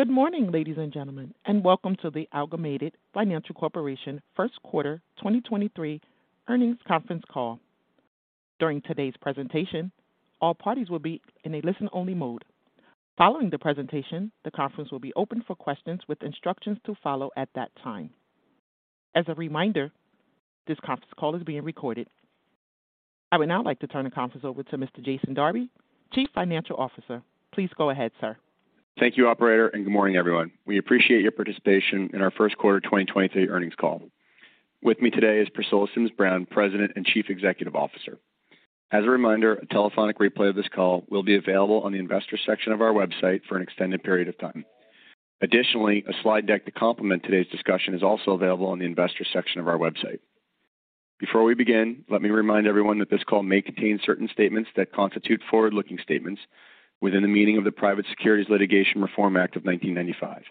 Good morning, ladies and gentlemen, welcome to the Amalgamated Financial Corporation first quarter 2023 earnings conference call. During today's presentation, all parties will be in a listen-only mode. Following the presentation, the conference will be open for questions with instructions to follow at that time. As a reminder, this conference call is being recorded. I would now like to turn the conference over to Mr. Jason Darby, Chief Financial Officer. Please go ahead, sir. Thank you, operator. Good morning, everyone. We appreciate your participation in our first quarter 2023 earnings call. With me today is Priscilla Sims Brown, President and Chief Executive Officer. As a reminder, a telephonic replay of this call will be available on the investors section of our website for an extended period of time. Additionally, a slide deck to complement today's discussion is also available on the investor section of our website. Before we begin, let me remind everyone that this call may contain certain statements that constitute forward-looking statements within the meaning of the Private Securities Litigation Reform Act of 1995.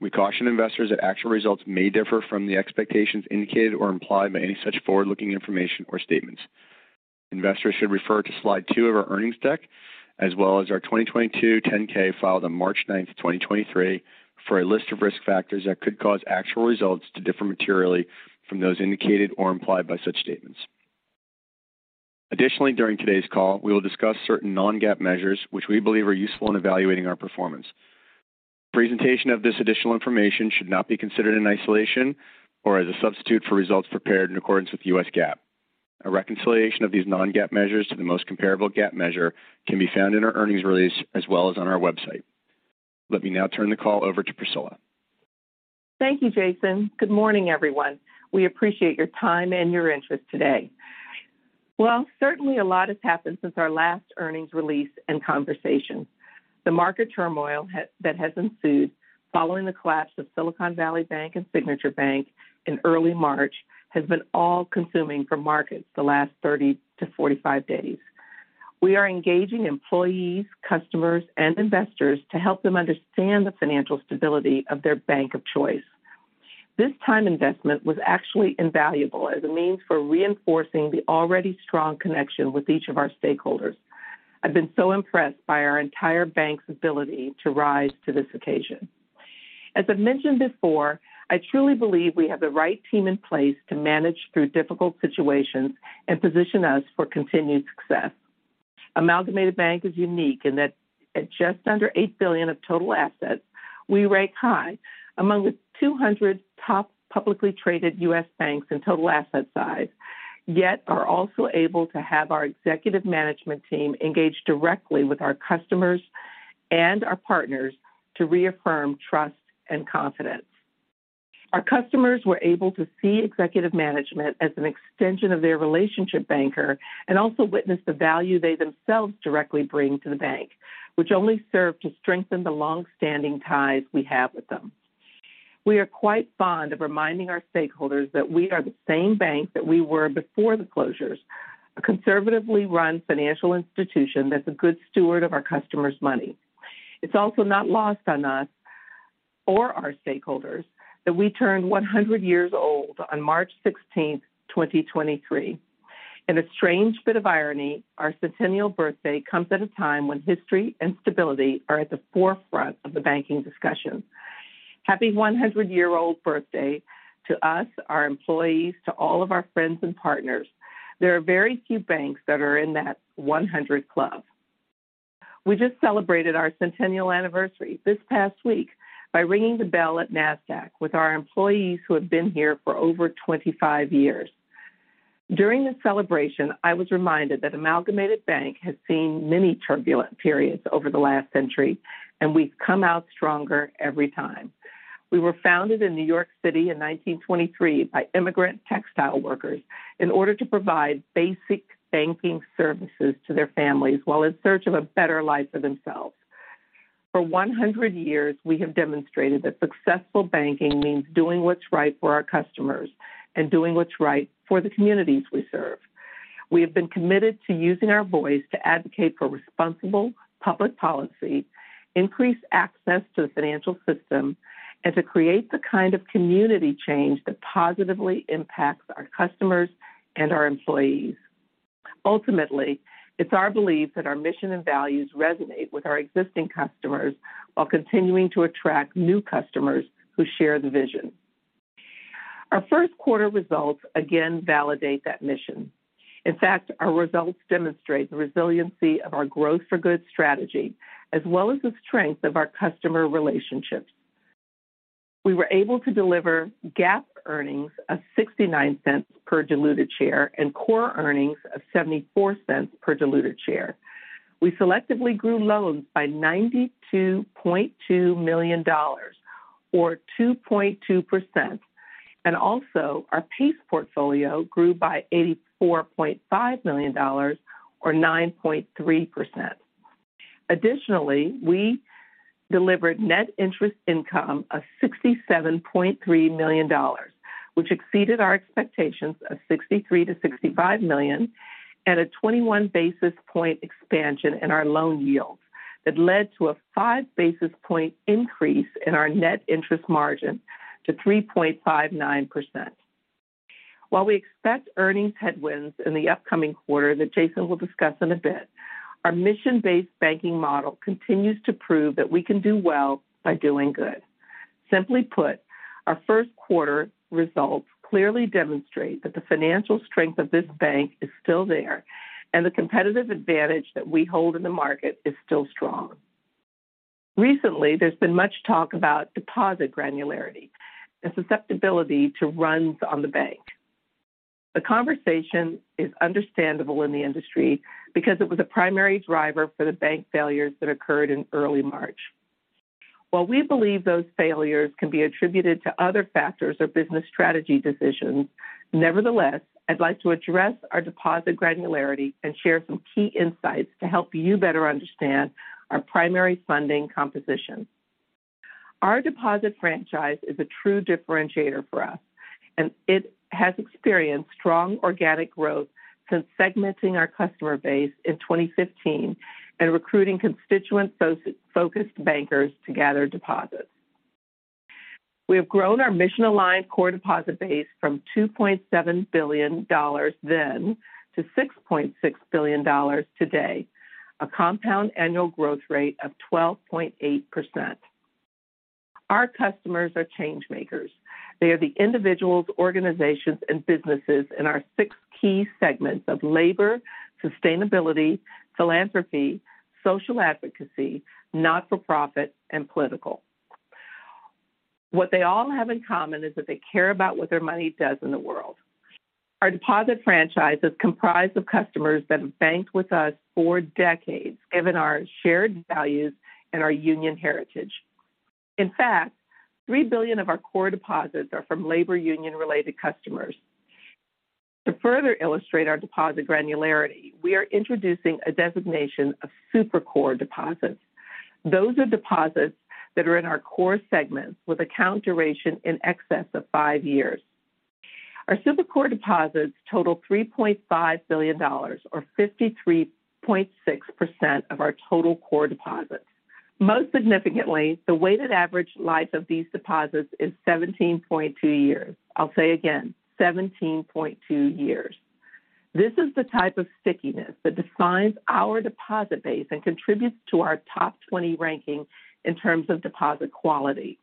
We caution investors that actual results may differ from the expectations indicated or implied by any such forward-looking information or statements. Investors should refer to slide two of our earnings deck as well as our 2022 10-K filed on March 9th, 2023, for a list of risk factors that could cause actual results to differ materially from those indicated or implied by such statements. During today's call, we will discuss certain non-GAAP measures which we believe are useful in evaluating our performance. Presentation of this additional information should not be considered in isolation or as a substitute for results prepared in accordance with U.S. GAAP. A reconciliation of these non-GAAP measures to the most comparable GAAP measure can be found in our earnings release as well as on our website. Let me now turn the call over to Priscilla. Thank you, Jason. Good morning, everyone. We appreciate your time and your interest today. Well, certainly a lot has happened since our last earnings release and conversation. The market turmoil that has ensued following the collapse of Silicon Valley Bank and Signature Bank in early March has been all-consuming for markets the last 30-45 days. We are engaging employees, customers, and investors to help them understand the financial stability of their bank of choice. This time investment was actually invaluable as a means for reinforcing the already strong connection with each of our stakeholders. I've been so impressed by our entire bank's ability to rise to this occasion. As I've mentioned before, I truly believe we have the right team in place to manage through difficult situations and position us for continued success. Amalgamated Bank is unique in that at just under $8 billion of total assets, we rank high among the 200 top publicly traded U.S. banks in total asset size, yet are also able to have our executive management team engage directly with our customers and our partners to reaffirm trust and confidence. Our customers were able to see executive management as an extension of their relationship banker and also witness the value they themselves directly bring to the bank, which only served to strengthen the long-standing ties we have with them. We are quite fond of reminding our stakeholders that we are the same bank that we were before the closures. A conservatively run financial institution that's a good steward of our customers' money. It's also not lost on us or our stakeholders that we turned 100 years old on March 16th, 2023. In a strange bit of irony, our centennial birthday comes at a time when history and stability are at the forefront of the banking discussion. Happy 100-year-old birthday to us, our employees, to all of our friends and partners. There are very few banks that are in that 100 club. We just celebrated our centennial anniversary this past week by ringing the bell at NASDAQ with our employees who have been here for over 25 years. During the celebration, I was reminded that Amalgamated Bank has seen many turbulent periods over the last century, and we've come out stronger every time. We were founded in New York City in 1923 by immigrant textile workers in order to provide basic banking services to their families while in search of a better life for themselves. For 100 years, we have demonstrated that successful banking means doing what's right for our customers and doing what's right for the communities we serve. We have been committed to using our voice to advocate for responsible public policy, increase access to the financial system, and to create the kind of community change that positively impacts our customers and our employees. Ultimately, it's our belief that our mission and values resonate with our existing customers while continuing to attract new customers who share the vision. Our first quarter results again validate that mission. In fact, our results demonstrate the resiliency of our Growth for Good strategy as well as the strength of our customer relationships. We were able to deliver GAAP earnings of $0.69 per diluted share and core earnings of $0.74 per diluted share. We selectively grew loans by $92.2 million or 2.2%, and also our PACE portfolio grew by $84.5 million or 9.3%. Additionally, we delivered net interest income of $67.3 million, which exceeded our expectations of $63 million-$65 million, and a 21 basis point expansion in our loan yields that led to a 5 basis point increase in our net interest margin to 3.59%. While we expect earnings headwinds in the upcoming quarter that Jason will discuss in a bit, our mission-based banking model continues to prove that we can do well by doing good. Simply put, our first quarter results clearly demonstrate that the financial strength of this bank is still there and the competitive advantage that we hold in the market is still strong. Recently, there's been much talk about deposit granularity and susceptibility to runs on the bank. The conversation is understandable in the industry because it was a primary driver for the bank failures that occurred in early March. While we believe those failures can be attributed to other factors or business strategy decisions, nevertheless, I'd like to address our deposit granularity and share some key insights to help you better understand our primary funding composition. Our deposit franchise is a true differentiator for us, and it has experienced strong organic growth since segmenting our customer base in 2015 and recruiting constituent-focused bankers to gather deposits. We have grown our mission-aligned core deposit base from $2.7 billion then to $6.6 billion today, a compound annual growth rate of 12.8%. Our customers are changemakers. They are the individuals, organizations, and businesses in our six key segments of labor, sustainability, philanthropy, social advocacy, not-for-profit, and political. What they all have in common is that they care about what their money does in the world. Our deposit franchise is comprised of customers that have banked with us for decades, given our shared values and our union heritage. In fact, $3 billion of our core deposits are from labor union-related customers. To further illustrate our deposit granularity, we are introducing a designation of super-core deposits. Those are deposits that are in our core segments with account duration in excess of five years. Our super-core deposits total $3.5 billion or 53.6% of our total core deposits. Most significantly, the weighted average life of these deposits is 17.2 years. I'll say again, 17.2 years. This is the type of stickiness that defines our deposit base and contributes to our top 20 ranking in terms of deposit quality.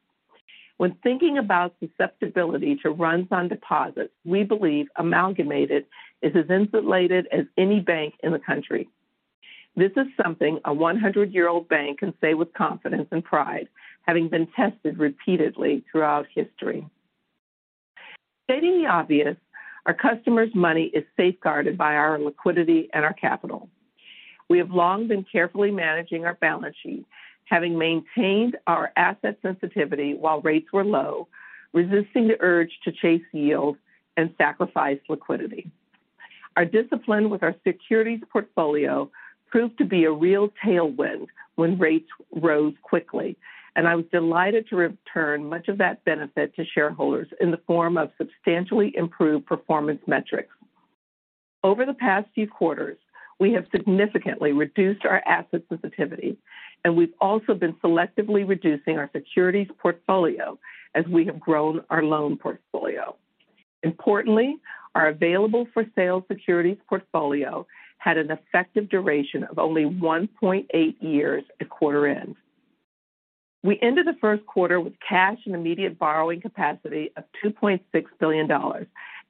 When thinking about susceptibility to runs on deposits, we believe Amalgamated is as insulated as any bank in the country. This is something a 100-year-old bank can say with confidence and pride, having been tested repeatedly throughout history. Stating the obvious, our customers' money is safeguarded by our liquidity and our capital. We have long been carefully managing our balance sheet, having maintained our asset sensitivity while rates were low, resisting the urge to chase yield and sacrifice liquidity. Our discipline with our securities portfolio proved to be a real tailwind when rates rose quickly, and I was delighted to return much of that benefit to shareholders in the form of substantially improved performance metrics. Over the past few quarters, we have significantly reduced our asset sensitivity, and we've also been selectively reducing our securities portfolio as we have grown our loan portfolio. Importantly, our available-for-sale securities portfolio had an effective duration of only 1.8 years at quarter-end. We ended the first quarter with cash and immediate borrowing capacity of $2.6 billion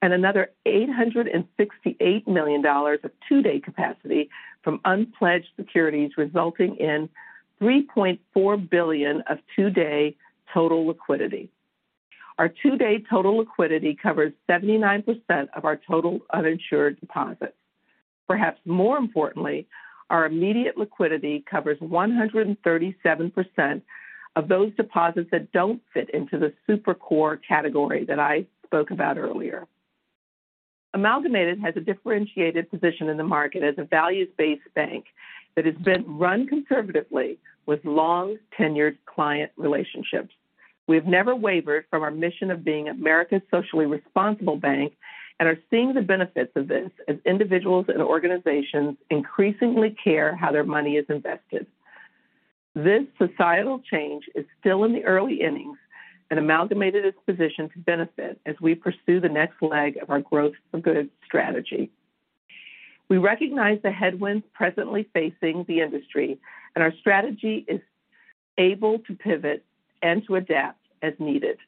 and another $868 million of two-day capacity from unpledged securities, resulting in $3.4 billion of two-day total liquidity. Our two-day total liquidity covers 79% of our total uninsured deposits. Perhaps more importantly, our immediate liquidity covers 137% of those deposits that don't fit into the super-core category that I spoke about earlier. Amalgamated has a differentiated position in the market as a values-based bank that has been run conservatively with long-tenured client relationships. We have never wavered from our mission of being America's socially responsible bank and are seeing the benefits of this as individuals and organizations increasingly care how their money is invested. This societal change is still in the early innings, and Amalgamated is positioned to benefit as we pursue the next leg of our Growth for Good strategy. We recognize the headwinds presently facing the industry, and our strategy is able to pivot and to adapt as needed.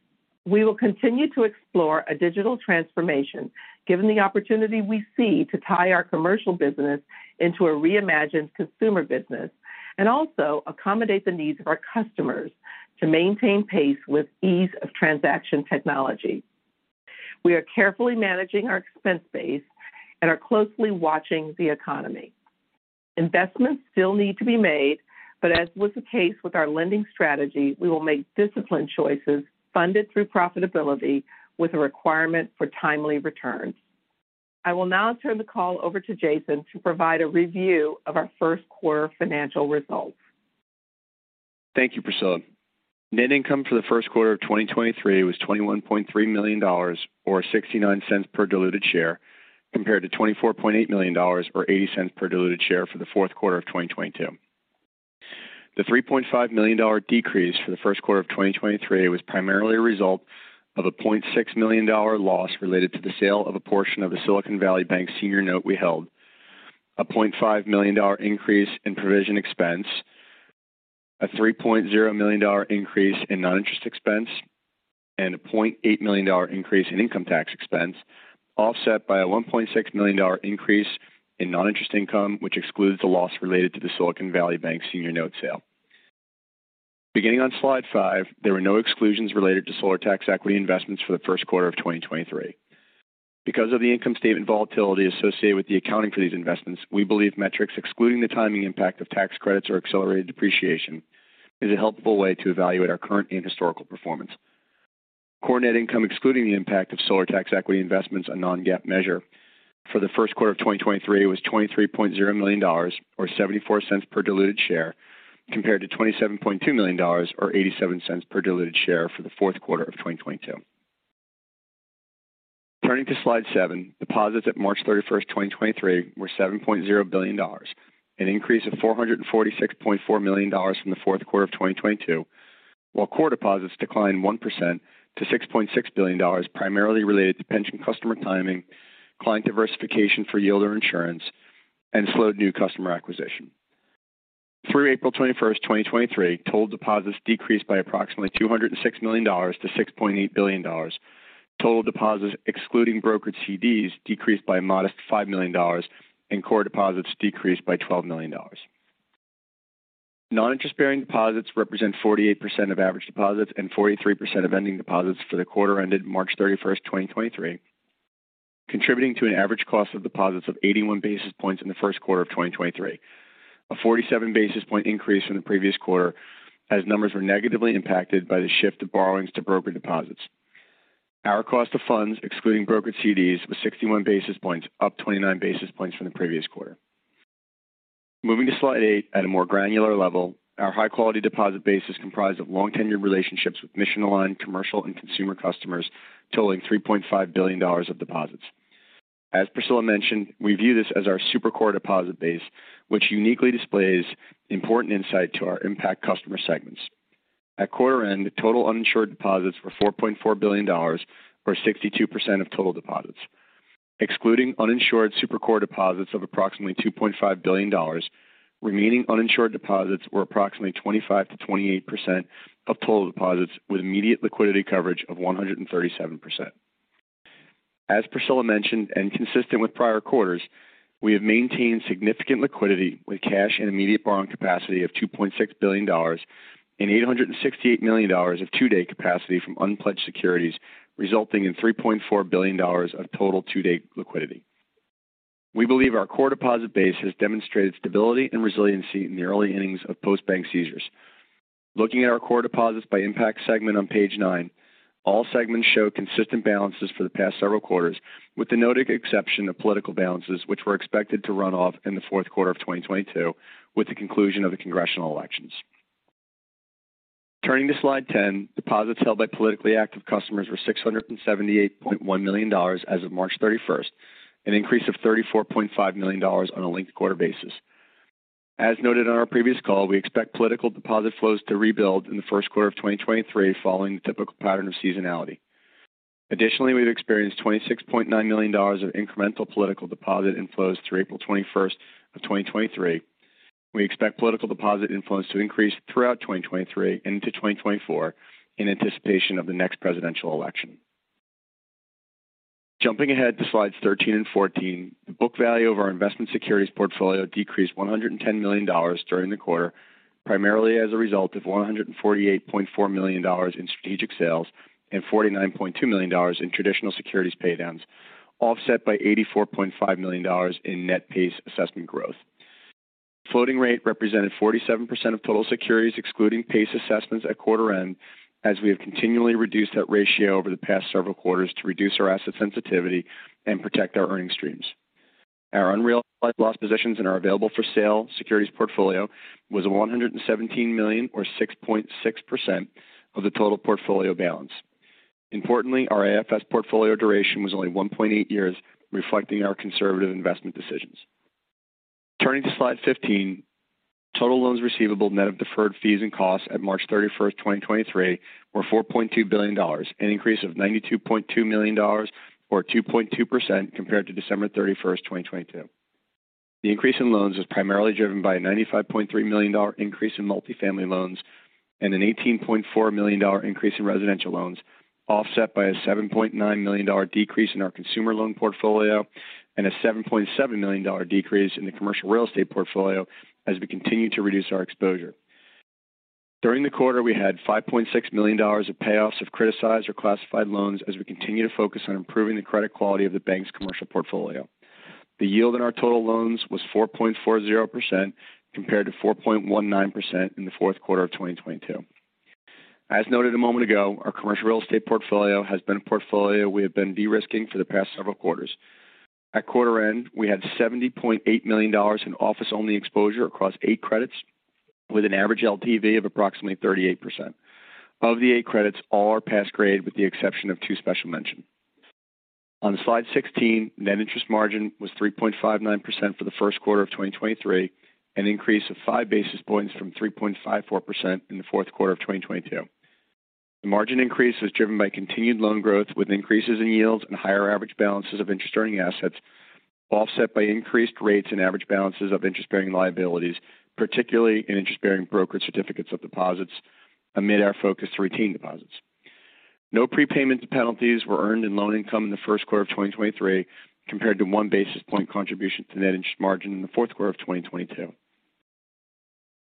We will continue to explore a digital transformation given the opportunity we see to tie our commercial business into a reimagined consumer business and also accommodate the needs of our customers to maintain pace with ease-of-transaction technology. We are carefully managing our expense base and are closely watching the economy. Investments still need to be made, but as was the case with our lending strategy, we will make disciplined choices funded through profitability with a requirement for timely returns. I will now turn the call over to Jason to provide a review of our first quarter financial results. Thank you, Priscilla. Net income for the first quarter of 2023 was $21.3 million or $0.69 per diluted share, compared to $24.8 million or $0.80 per diluted share for the fourth quarter of 2022. The $3.5 million decrease for the first quarter of 2023 was primarily a result of a $0.6 million loss related to the sale of a portion of the Silicon Valley Bank senior note we held, a $0.5 million increase in provision expense, a $3.0 million increase in non-interest expense, and a $0.8 million increase in income tax expense, offset by a $1.6 million increase in non-interest income, which excludes the loss related to the Silicon Valley Bank senior note sale. Beginning on slide five, there were no exclusions related to solar tax equity investments for the first quarter of 2023. Of the income statement volatility associated with the accounting for these investments, we believe metrics excluding the timing impact of tax credits or accelerated depreciation is a helpful way to evaluate our current and historical performance. Core net income excluding the impact of solar tax equity investments, a non-GAAP measure, for the first quarter of 2023 was $23.0 million or $0.74 per diluted share compared to $27.2 million or $0.87 per diluted share for the fourth quarter of 2022. Turning to slide seven, deposits at March 31st, 2023 were $7.0 billion, an increase of $446.4 million from the fourth quarter of 2022. While core deposits declined 1% to $6.6 billion primarily related to pension customer timing, client diversification for yield or insurance, and slowed new customer acquisition. Through April 21st, 2023, total deposits decreased by approximately $206 million-$6.8 billion. Total deposits excluding Brokered CDs decreased by a modest $5 million and core deposits decreased by $12 million. Non-interest bearing deposits represent 48% of average deposits and 43% of ending deposits for the quarter ended March 31st, 2023, contributing to an average cost of deposits of 81 basis points in the first quarter of 2023. A 47 basis point increase from the previous quarter as numbers were negatively impacted by the shift of borrowings to broker deposits. Our cost of funds excluding Brokered CDs was 61 basis points, up 29 basis points from the previous quarter. Moving to slide eight at a more granular level, our high quality deposit base is comprised of long tenured relationships with mission-aligned commercial and consumer customers totaling $3.5 billion of deposits. As Priscilla mentioned, we view this as our super-core deposit base which uniquely displays important insight to our impact customer segments. At quarter end, the total uninsured deposits were $4.4 billion or 62% of total deposits. Excluding uninsured super-core deposits of approximately $2.5 billion, remaining uninsured deposits were approximately 25%-28% of total deposits with immediate liquidity coverage of 137%. As Priscilla mentioned, consistent with prior quarters, we have maintained significant liquidity with cash and immediate borrowing capacity of $2.6 billion and $868 million of two-day capacity from unpledged securities, resulting in $3.4 billion of total two-day liquidity. We believe our core deposit base has demonstrated stability and resiliency in the early innings of post bank seizures. Looking at our core deposits by impact segment on page nine, all segments show consistent balances for the past several quarters, with the noted exception of political balances which were expected to run off in the fourth quarter of 2022 with the conclusion of the congressional elections. Turning to slide 10, deposits held by politically active customers were $678.1 million as of March 31st, an increase of $34.5 million on a linked quarter basis. As noted on our previous call, we expect political deposit flows to rebuild in the first quarter of 2023 following the typical pattern of seasonality. We've experienced $26.9 million of incremental political deposit inflows through April 21st of 2023. We expect political deposit inflows to increase throughout 2023 into 2024 in anticipation of the next presidential election. Jumping ahead to slides 13 and 14, the book value of our investment securities portfolio decreased $110 million during the quarter, primarily as a result of $148.4 million in strategic sales and $49.2 million in traditional securities pay downs, offset by $84.5 million in net PACE assessment growth. Floating rate represented 47% of total securities excluding PACE assessments at quarter end, as we have continually reduced that ratio over the past several quarters to reduce our asset sensitivity and protect our earning streams. Our unrealized loss positions in our available for sale securities portfolio was $117 million or 6.6% of the total portfolio balance. Importantly, our AFS portfolio duration was only 1.8 years, reflecting our conservative investment decisions. Turning to slide 15, total loans receivable net of deferred fees and costs at March 31, 2023 were $4.2 billion, an increase of $92.2 million or 2.2% compared to December 31st, 2022. The increase in loans was primarily driven by a $95.3 million increase in multifamily loans and an $18.4 million increase in residential loans, offset by a $7.9 million decrease in our consumer loan portfolio and a $7.7 million decrease in the commercial real estate portfolio as we continue to reduce our exposure. During the quarter, we had $5.6 million of payoffs of criticized or classified loans as we continue to focus on improving the credit quality of the bank's commercial portfolio. The yield in our total loans was 4.40% compared to 4.19% in the fourth quarter of 2022. As noted a moment ago, our commercial real estate portfolio has been a portfolio we have been de-risking for the past several quarters. At quarter end, we had $70.8 million in office-only exposure across eight credits with an average LTV of approximately 38%. Of the eight credits, all are past grade with the exception of two special mention. On slide 16, net interest margin was 3.59% for the first quarter of 2023, an increase of 5 basis points from 3.54% in the fourth quarter of 2022. The margin increase was driven by continued loan growth with increases in yields and higher average balances of interest-earning assets, offset by increased rates and average balances of interest-bearing liabilities, particularly in interest-bearing Brokered certificates of deposits amid our focus to retain deposits. No prepayment penalties were earned in loan income in the first quarter of 2023 compared to one basis point contribution to net interest margin in the fourth quarter of 2022.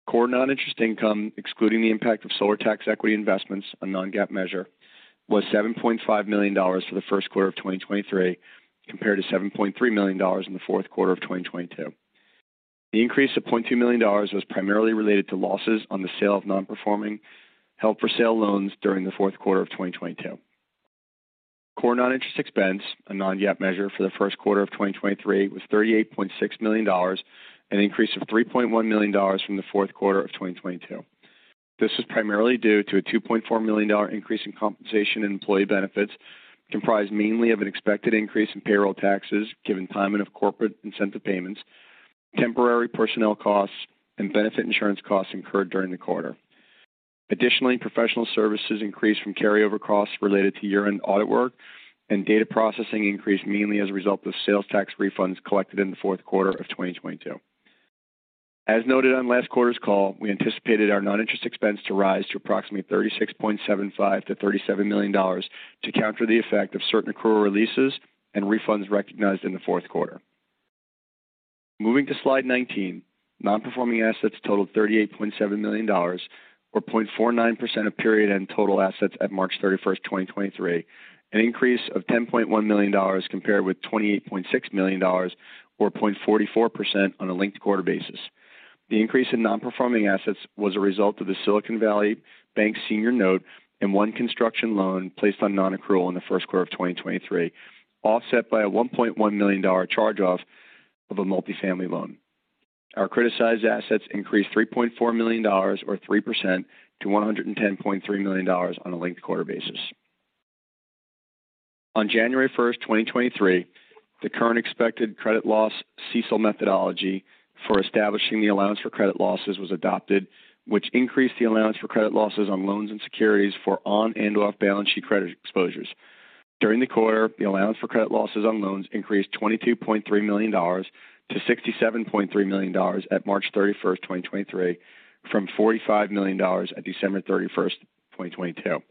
Core non-interest income, excluding the impact of solar tax equity investments, a non-GAAP measure, was $7.5 million for the first quarter of 2023 compared to $7.3 million in the fourth quarter of 2022. The increase of $0.2 million was primarily related to losses on the sale of non-performing held for sale loans during the fourth quarter of 2022. Core non-interest expense, a non-GAAP measure for the first quarter of 2023, was $38.6 million, an increase of $3.1 million from the fourth quarter of 2022. This was primarily due to a $2.4 million increase in compensation and employee benefits, comprised mainly of an expected increase in payroll taxes given timing of corporate incentive payments, temporary personnel costs, and benefit insurance costs incurred during the quarter. Additionally, professional services increased from carryover costs related to year-end audit work and data processing increased mainly as a result of sales tax refunds collected in the fourth quarter of 2022. As noted on last quarter's call, we anticipated our non-interest expense to rise to approximately $36.75 million-$37 million to counter the effect of certain accrual releases and refunds recognized in the fourth quarter. Moving to slide 19, non-performing assets totaled $38.7 million or 0.49% of period end total assets at March 31st, 2023, an increase of $10.1 million compared with $28.6 million or 0.44% on a linked quarter basis. The increase in non-performing assets was a result of the Silicon Valley Bank senior note and one construction loan placed on non-accrual in the first quarter of 2023, offset by a $1.1 million charge-off of a multifamily loan. Our criticized assets increased $3.4 million or 3% to $110.3 million on a linked quarter basis. On January 1st, 2023, the current expected credit loss CECL methodology for establishing the allowance for credit losses was adopted, which increased the allowance for credit losses on loans and securities for on and off balance sheet credit exposures. During the quarter, the allowance for credit losses on loans increased $22.3 million-$67.3 million at March 31st, 2023 from $45 million at December 31st, 2022.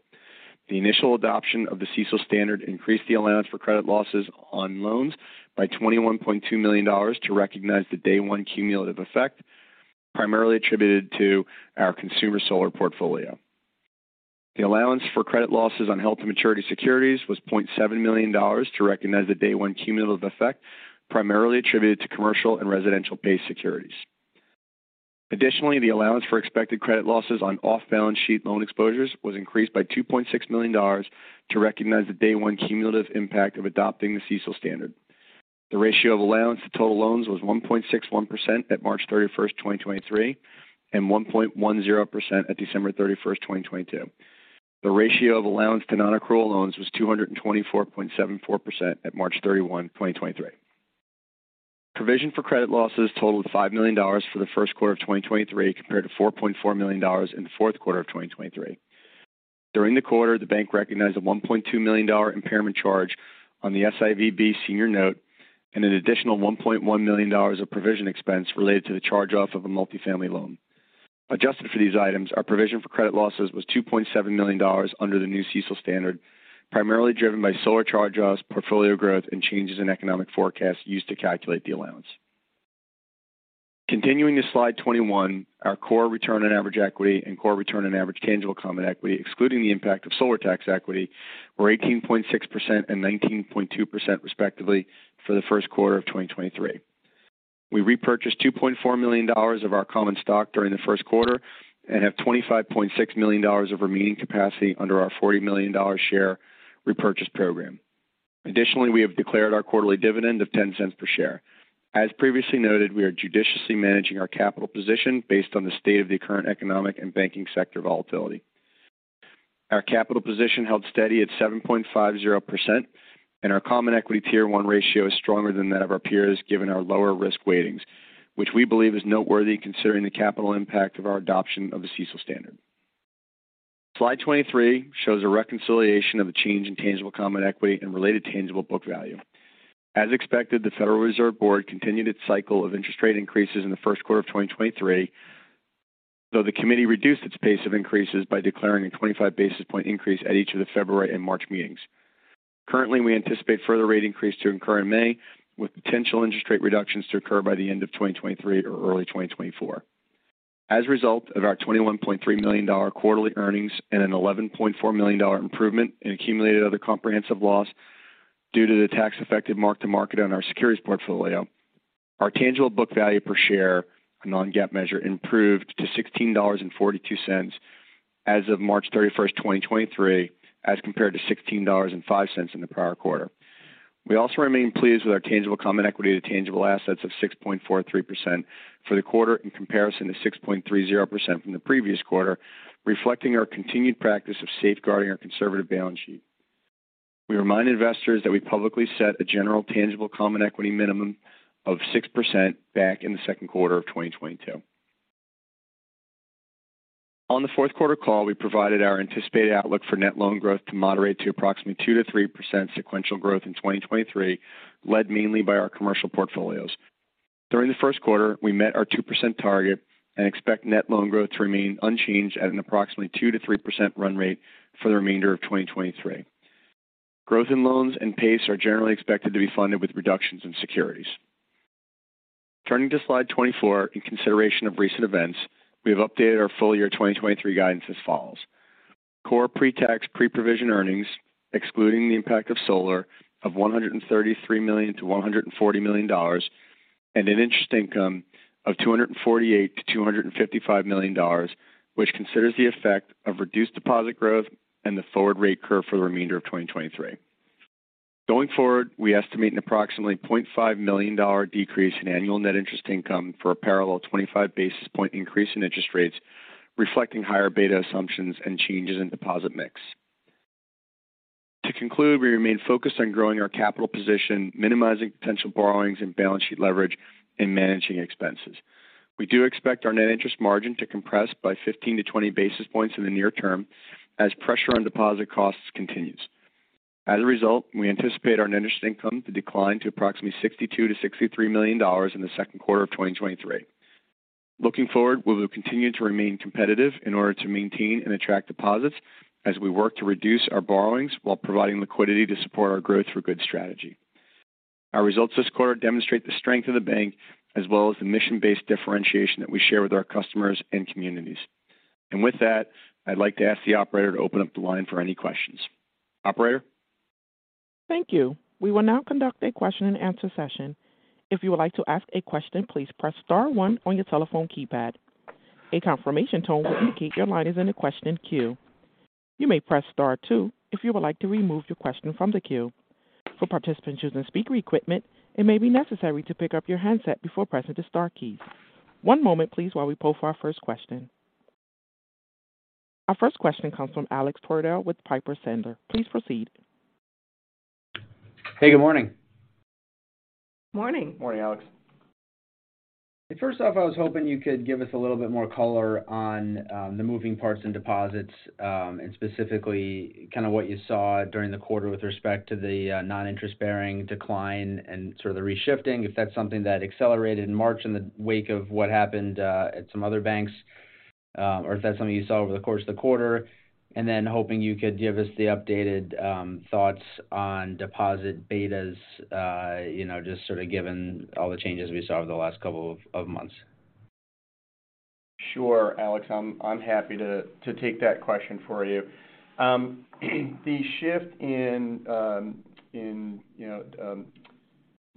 The initial adoption of the CECL standard increased the allowance for credit losses on loans by $21.2 million to recognize the day one cumulative effect primarily attributed to our consumer solar portfolio. The allowance for credit losses on held to maturity securities was $0.7 million to recognize the day one cumulative effect primarily attributed to commercial and residential based securities. Additionally, the allowance for expected credit losses on off balance sheet loan exposures was increased by $2.6 million to recognize the day one cumulative impact of adopting the CECL standard. The ratio of allowance to total loans was 1.61% at March 31st, 2023 and 1.10% at December 31st, 2022. The ratio of allowance to non-accrual loans was 224.74% at March 31, 2023. Provision for credit losses totaled $5 million for the first quarter of 2023 compared to $4.4 million in the fourth quarter of 2023. During the quarter, the bank recognized a $1.2 million impairment charge on the SIVB senior note and an additional $1.1 million of provision expense related to the charge-off of a multifamily loan. Adjusted for these items, our provision for credit losses was $2.7 million under the new CECL standard, primarily driven by solar charge-offs, portfolio growth, and changes in economic forecasts used to calculate the allowance. Continuing to slide 21, our core return on average equity and core return on average tangible common equity, excluding the impact of solar tax equity, were 18.6% and 19.2% respectively for the first quarter of 2023. We repurchased $2.4 million of our common stock during the first quarter and have $25.6 million of remaining capacity under our $40 million share repurchase program. Additionally, we have declared our quarterly dividend of $0.10 per share. As previously noted, we are judiciously managing our capital position based on the state of the current economic and banking sector volatility. Our capital position held steady at 7.50% and our Common Equity Tier 1 ratio is stronger than that of our peers given our lower risk weightings, which we believe is noteworthy considering the capital impact of our adoption of the CECL standard. Slide 23 shows a reconciliation of the change in tangible common equity and related tangible book value. As expected, the Federal Reserve Board continued its cycle of interest rate increases in the first quarter of 2023, though the committee reduced its pace of increases by declaring a 25 basis point increase at each of the February and March meetings. Currently, we anticipate further rate increase to incur in May with potential interest rate reductions to occur by the end of 2023 or early 2024. As a result of our $21.3 million quarterly earnings and an $11.4 million improvement in accumulated other comprehensive loss due to the tax effective mark-to-market on our securities portfolio, our tangible book value per share, a non-GAAP measure, improved to $16.42 as of March 31st, 2023 as compared to $16.05 in the prior quarter. We also remain pleased with our tangible common equity to tangible assets of 6.43% for the quarter in comparison to 6.30% from the previous quarter, reflecting our continued practice of safeguarding our conservative balance sheet. We remind investors that we publicly set the general tangible Common Equity minimum of 6% back in the second quarter of 2022. On the fourth quarter call, we provided our anticipated outlook for net loan growth to moderate to approximately 2%-3% sequential growth in 2023, led mainly by our commercial portfolios. During the first quarter, we met our 2% target and expect net loan growth to remain unchanged at an approximately 2%-3% run rate for the remainder of 2023. Growth in loans and PACE are generally expected to be funded with reductions in securities. Turning to slide 24, in consideration of recent events, we have updated our full year 2023 guidance as follows. Core pre-tax, pre-provision earnings, excluding the impact of solar of $133 million-$140 million and an interest income of $248 million-$255 million, which considers the effect of reduced deposit growth and the forward rate curve for the remainder of 2023. Going forward, we estimate an approximately $0.5 million decrease in annual net interest income for a parallel 25 basis point increase in interest rates, reflecting higher beta assumptions and changes in deposit mix. To conclude, we remain focused on growing our capital position, minimizing potential borrowings and balance sheet leverage and managing expenses. We do expect our net interest margin to compress by 15-20 basis points in the near-term as pressure on deposit costs continues. As a result, we anticipate our net interest income to decline to approximately $62 million-$63 million in the second quarter of 2023. Looking forward, we will continue to remain competitive in order to maintain and attract deposits as we work to reduce our borrowings while providing liquidity to support our Growth for Good strategy. Our results this quarter demonstrate the strength of the bank as well as the mission-based differentiation that we share with our customers and communities. With that, I'd like to ask the operator to open up the line for any questions. Operator? Thank you. We will now conduct a question-and-answer session. If you would like to ask a question, please press star one on your telephone keypad. A confirmation tone will indicate your line is in a question queue. You may press star two if you would like to remove your question from the queue. For participants using speaker equipment, it may be necessary to pick up your handset before pressing the star keys. One moment, please, while we poll for our first question. Our first question comes from Alex Twerdahl with Piper Sandler. Please proceed. Hey, good morning. Morning. Morning, Alex. First off, I was hoping you could give us a little bit more color on the moving parts in deposits, and specifically kind of what you saw during the quarter with respect to the non-interest bearing decline and sort of the reshifting, if that's something that accelerated in March in the wake of what happened at some other banks, or if that's something you saw over the course of the quarter. Hoping you could give us the updated thoughts on deposit betas, you know, just sort of given all the changes we saw over the last couple of months. Sure, Alex, I'm happy to take that question for you. The shift in, you know,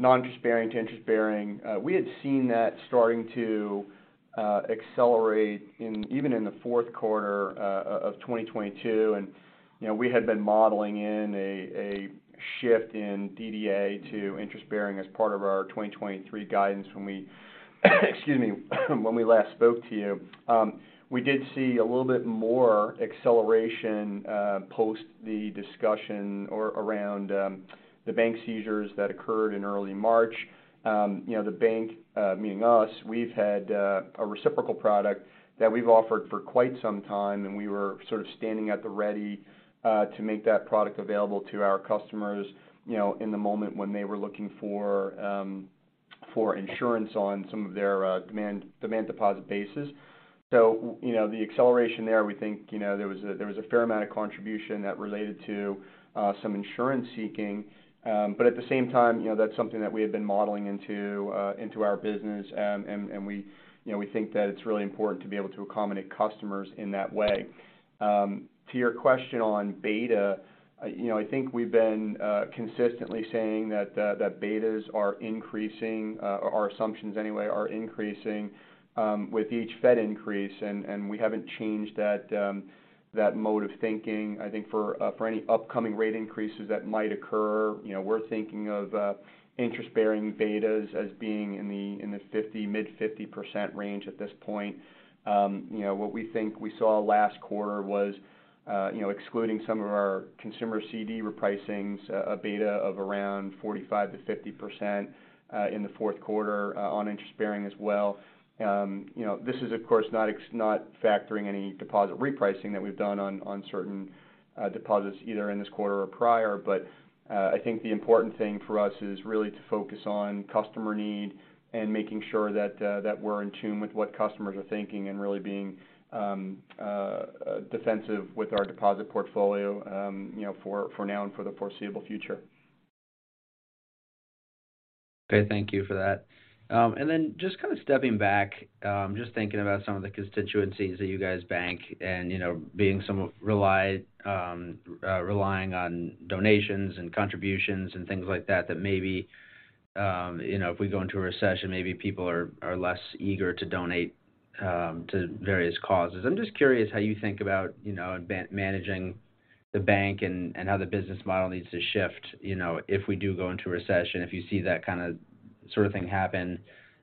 non-interest bearing to interest-bearing, we had seen that starting to accelerate even in the fourth quarter of 2022. You know, we had been modeling in a shift in DDA to interest-bearing as part of our 2023 guidance when we, excuse me, when we last spoke to you. We did see a little bit more acceleration post the discussion or around the bank seizures that occurred in early March. You know, the bank, meaning us, we've had a reciprocal product that we've offered for quite some time, and we were sort of standing at the ready to make that product available to our customers, you know, in the moment when they were looking for for insurance on some of their demand deposit bases. you know, the acceleration there, we think, you know, there was a, there was a fair amount of contribution that related to some insurance seeking. At the same time, you know, that's something that we have been modeling into into our business. we, you know, we think that it's really important to be able to accommodate customers in that way. To your question on beta, you know, I think we've been consistently saying that betas are increasing or assumptions anyway are increasing with each Fed increase, and we haven't changed that mode of thinking. I think for any upcoming rate increases that might occur, you know, we're thinking of interest-bearing betas as being in the 50, mid 50% range at this point. You know, what we think we saw last quarter was, you know, excluding some of our consumer CD repricings, a beta of around 45%-50% in the fourth quarter on interest bearing as well. You know, this is of course not factoring any deposit repricing that we've done on certain deposits either in this quarter or prior. I think the important thing for us is really to focus on customer need and making sure that we're in tune with what customers are thinking and really being defensive with our deposit portfolio, you know, for now and for the foreseeable future. Okay. Thank you for that. Just kind of stepping back, just thinking about some of the constituencies that you guys bank and, you know, being some of relied, relying on donations and contributions and things like that maybe, you know, if we go into a recession, maybe people are less eager to donate, to various causes. I'm just curious how you think about, you know, man-managing the bank and how the business model needs to shift, you know, if we do go into recession, if you see that kind of sort of thing happen,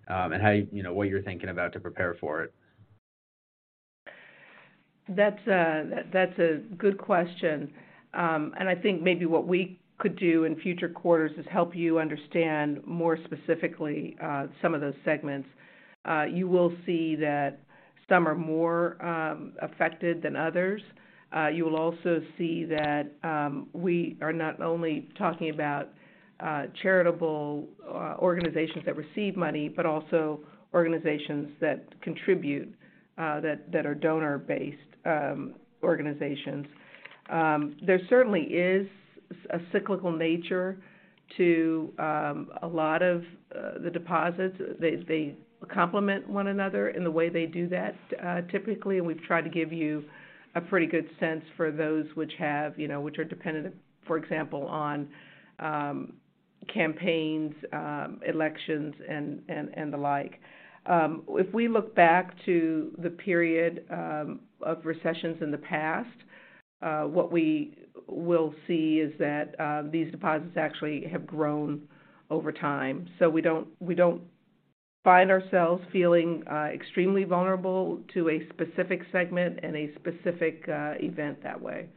and how you know, what you're thinking about to prepare for it. That's a, that's a good question. I think maybe what we could do in future quarters is help you understand more specifically, some of those segments. You will see that some are more affected than others. You will also see that we are not only talking about charitable organizations that receive money, but also organizations that contribute, that are donor-based organizations. There certainly is a cyclical nature to a lot of the deposits. They, they complement one another in the way they do that, typically. We've tried to give you a pretty good sense for those which have, you know, which are dependent, for example, on campaigns, elections and the like. If we look back to the period of recessions in the past, what we will see is that these deposits actually have grown over time. We don't find ourselves feeling extremely vulnerable to a specific segment and a specific event that way.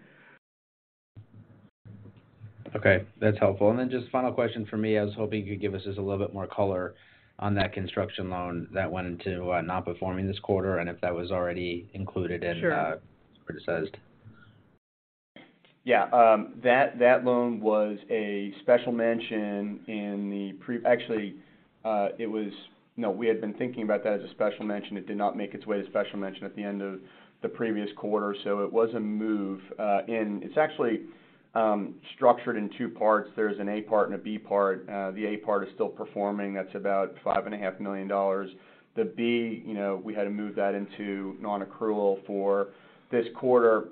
Okay, that's helpful. Just final question from me. I was hoping you could give us just a little bit more color on that construction loan that went into non-performing this quarter. Sure. Precized. No, we had been thinking about that as a special mention. It did not make its way to special mention at the end of the previous quarter. It was a move. It's structured in two parts. There's an A part and a B part. The A part is still performing. That's about $5.5 million. The B, you know, we had to move that into non-accrual for this quarter.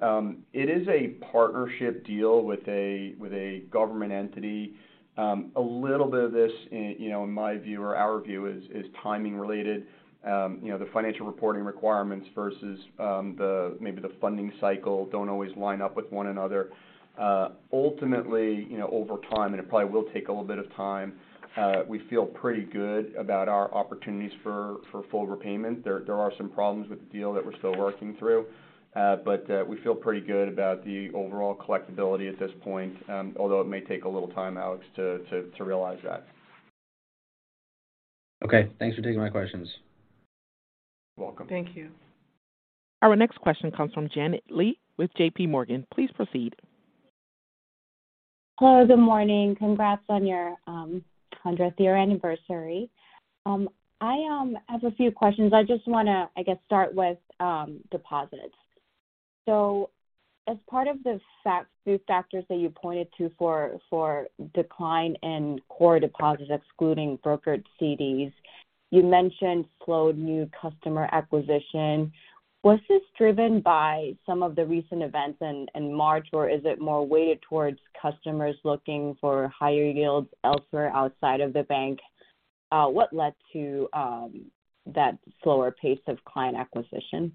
It is a partnership deal with a government entity. A little bit of this, you know, in my view or our view is timing related. You know, the financial reporting requirements versus the maybe the funding cycle don't always line up with one another. Ultimately, you know, over time, and it probably will take a little bit of time, we feel pretty good about our opportunities for full repayment. There are some problems with the deal that we're still working through, but we feel pretty good about the overall collectibility at this point, although it may take a little time, Alex, to realize that. Okay. Thanks for taking my questions. You're welcome. Thank you. Our next question comes from Janet Lee with JPMorgan. Please proceed. Hello, good morning. Congrats on your 100th year anniversary. I have a few questions. I just wanna, I guess, start with deposits. As part of the factors that you pointed to for decline in core deposits, excluding Brokered CDs, you mentioned slowed new customer acquisition. Was this driven by some of the recent events in March, or is it more weighted towards customers looking for higher yields elsewhere outside of the bank? What led to that slower pace of client acquisition?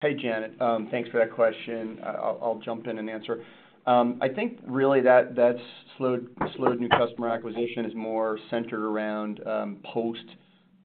Hey, Janet. Thanks for that question. I'll jump in and answer. I think really that slowed new customer acquisition is more centered around post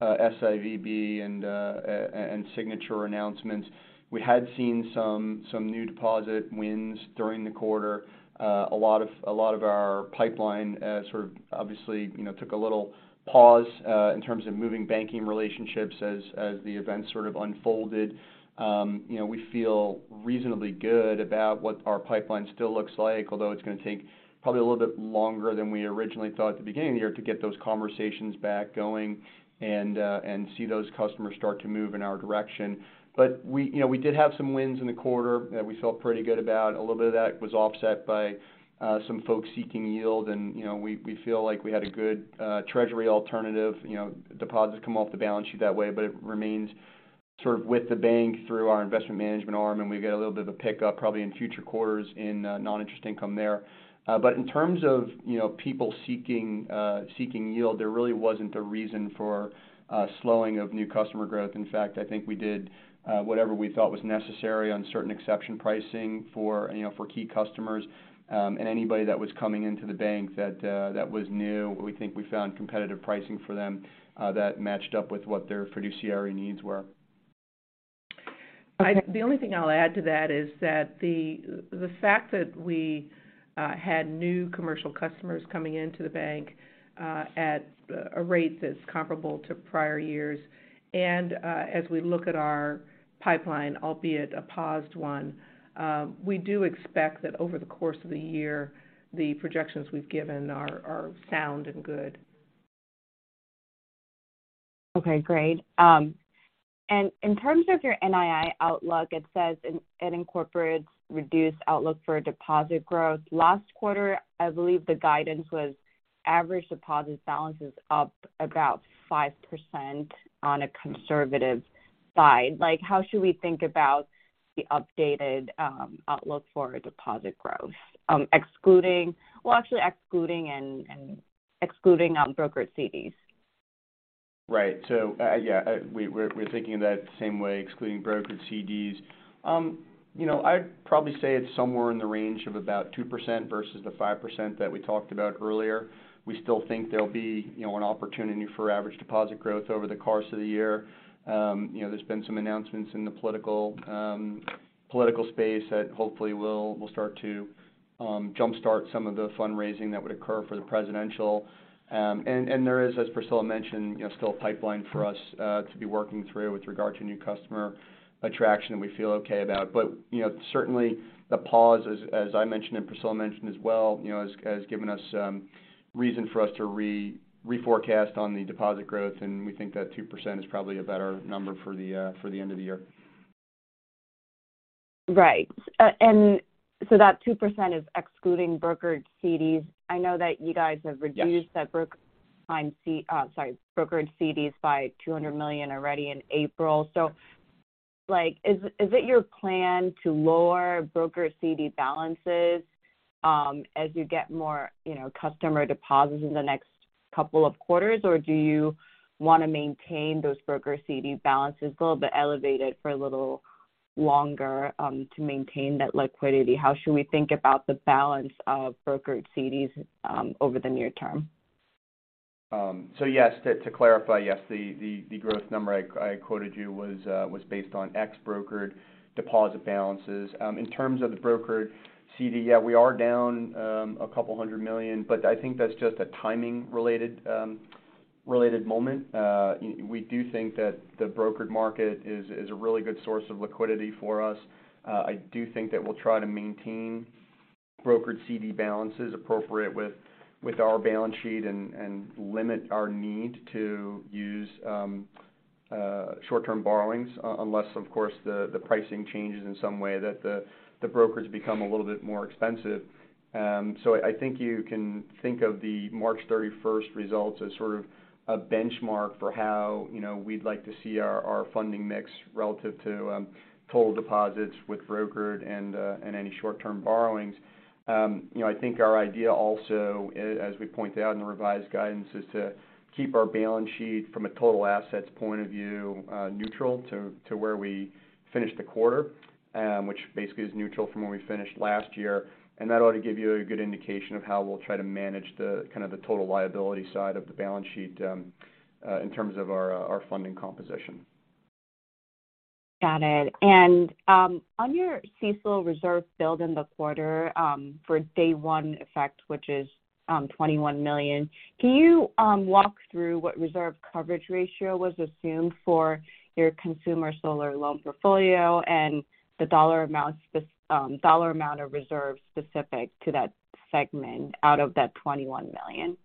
SIVB and Signature announcements. We had seen some new deposit wins during the quarter. A lot of our pipeline, sort of obviously, you know, took a little pause in terms of moving banking relationships as the events sort of unfolded. You know, we feel reasonably good about what our pipeline still looks like, although it's gonna take probably a little bit longer than we originally thought at the beginning of the year to get those conversations back going and see those customers start to move in our direction. We, you know, we did have some wins in the quarter that we felt pretty good about. A little bit of that was offset by some folks seeking yield. You know, we feel like we had a good treasury alternative, you know, deposits come off the balance sheet that way. It remains sort of with the bank through our investment management arm, and we get a little bit of a pickup probably in future quarters in non-interest income there. In terms of, you know, people seeking yield, there really wasn't a reason for slowing of new customer growth. In fact, I think we did whatever we thought was necessary on certain exception pricing for, you know, for key customers. Anybody that was coming into the bank that was new, we think we found competitive pricing for them that matched up with what their fiduciary needs were. The only thing I'll add to that is that the fact that we had new commercial customers coming into the bank at a rate that's comparable to prior years. As we look at our pipeline, albeit a paused one, we do expect that over the course of the year, the projections we've given are sound and good. Okay, great. In terms of your NII outlook, it says it incorporates reduced outlook for deposit growth. Last quarter, I believe the guidance was average deposit balance is up about 5% on a conservative side. Like, how should we think about the updated outlook for deposit growth? Well, actually excluding out Brokered CDs? Right. Yeah, we're thinking of that the same way, excluding Brokered CDs. You know, I'd probably say it's somewhere in the range of about 2% versus the 5% that we talked about earlier. We still think there'll be, you know, an opportunity for average deposit growth over the course of the year. You know, there's been some announcements in the political space that hopefully will start to jump-start some of the fundraising that would occur for the presidential. And there is, as Priscilla mentioned, you know, still a pipeline for us to be working through with regard to new customer attraction that we feel okay about. you know, certainly the pause as I mentioned and Priscilla mentioned as well, you know, has given us reason for us to reforecast on the deposit growth, and we think that 2% is probably a better number for the end of the year. Right. That 2% is excluding Brokered CDs. I know that you guys have- Yes. -reduced brokered CDs by $200 million already in April. Is it your plan to lower brokered CD balances, as you get more, you know, customer deposits in the next couple of quarters? Do you want to maintain those brokered CD balances a little bit elevated for a little longer to maintain that liquidity? How should we think about the balance of brokered CDs over the near-term? Yes. To clarify, yes, the growth number I quoted you was based on ex brokered deposit balances. In terms of the brokered CD, yeah, we are down $200 million, but I think that's just a timing related moment. We do think that the brokered market is a really good source of liquidity for us. I do think that we'll try to maintain brokered CD balances appropriate with our balance sheet and limit our need to use short-term borrowings unless of course the pricing changes in some way that the brokers become a little bit more expensive. I think you can think of the March 31st results as sort of a benchmark for how, you know, we'd like to see our funding mix relative to total deposits with Brokered and any short-term borrowings. I think our idea also, as we pointed out in the revised guidance, is to keep our balance sheet from a total assets point of view neutral to where we finished the quarter, which basically is neutral from where we finished last year. That ought to give you a good indication of how we'll try to manage the kind of the total liability side of the balance sheet in terms of our funding composition. Got it. On your CECL reserve build in the quarter, for day one effect, which is $21 million, can you walk through what reserve coverage ratio was assumed for your consumer solar loan portfolio and the dollar amount of reserves specific to that segment out of that $21 million?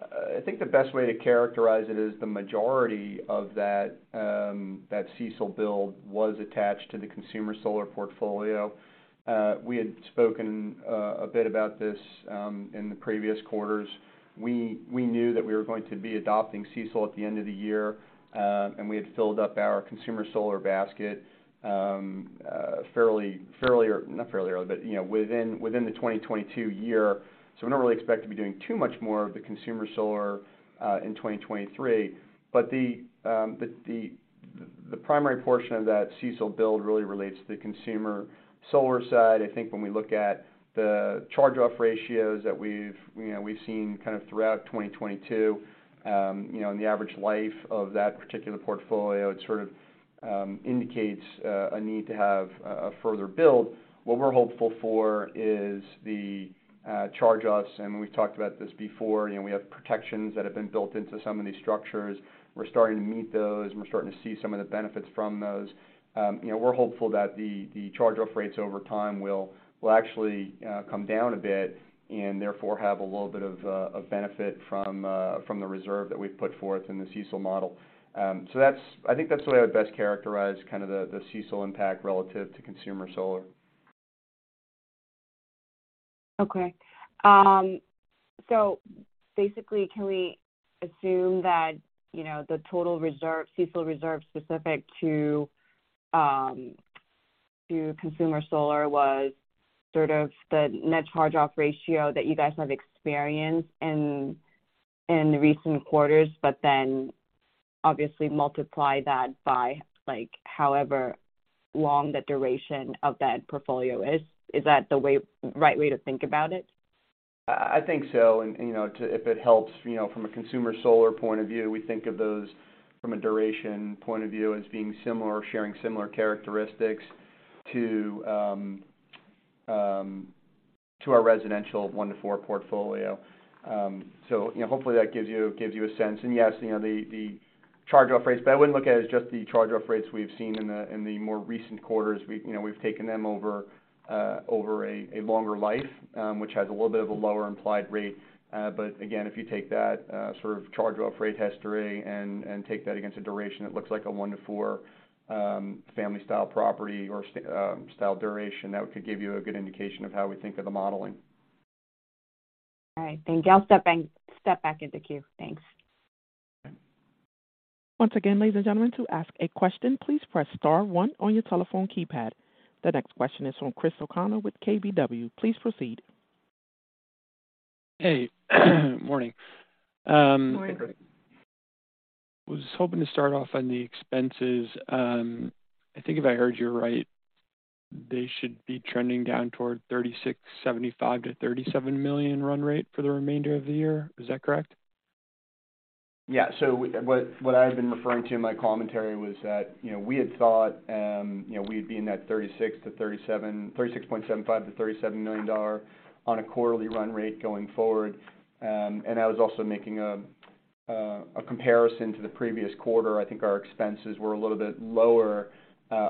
I think the best way to characterize it is the majority of that CECL build was attached to the consumer solar portfolio. We had spoken a bit about this in the previous quarters. We knew that we were going to be adopting CECL at the end of the year, and we had filled up our consumer solar basket fairly early, but, you know, within the 2022 year. We don't really expect to be doing too much more of the consumer solar in 2023. The primary portion of that CECL build really relates to the consumer solar side. I think when we look at the charge-off ratios that we've, you know, we've seen kind of throughout 2022, you know, and the average life of that particular portfolio, it sort of indicates a need to have a further build. What we're hopeful for is the charge-offs, and we've talked about this before. You know, we have protections that have been built into some of these structures. We're starting to meet those, and we're starting to see some of the benefits from those. You know, we're hopeful that the charge-off rates over time will actually come down a bit and therefore have a little bit of benefit from the reserve that we've put forth in the CECL model. I think that's the way I would best characterize kind of the CECL impact relative to consumer solar. Basically, can we assume that, you know, the total reserve, CECL reserve specific to consumer solar was sort of the net charge-off ratio that you guys have experienced in recent quarters, but then obviously multiply that by, like, however long the duration of that portfolio is? Is that the right way to think about it? I think so. You know, to... if it helps, you know, from a consumer solar point of view, we think of those from a duration point of view as being similar or sharing similar characteristics to our residential one to four portfolio. So, you know, hopefully, that gives you, gives you a sense. Yes, you know, the charge-off rates, but I wouldn't look at it as just the charge-off rates we've seen in the, in the more recent quarters. We've, you know, we've taken them over a longer life, which has a little bit of a lower implied rate. Again, if you take that, sort of charge-off rate history and take that against a duration that looks like a one to four, family style property or style duration, that could give you a good indication of how we think of the modeling. All right. Thank you. I'll step back, step back in the queue. Thanks. Once again, ladies and gentlemen, to ask a question, please press star one on your telephone keypad. The next question is from Chris O'Connell with KBW. Please proceed. Hey, morning. Morning. Was hoping to start off on the expenses. I think if I heard you right, they should be trending down toward $36.75 million-$37 million run rate for the remainder of the year. Is that correct? What I've been referring to in my commentary was that, you know, we had thought, you know, we'd be in that $36.75 million-$37 million on a quarterly run rate going forward. I was also making a comparison to the previous quarter. I think our expenses were a little bit lower,